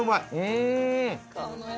うん！